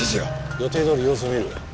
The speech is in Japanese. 予定どおり様子を見る。